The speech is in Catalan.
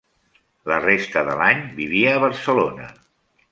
La resta de l'any vivia a Barcelona.